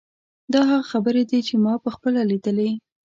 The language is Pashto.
دا هغه خبرې دي چې ما په خپله لیدلې.